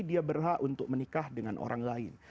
dia berhak untuk menikah dengan orang lain